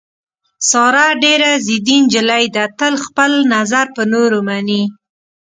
ساره ډېره ضدي نجیلۍ ده، تل خپل نظر په نورو مني.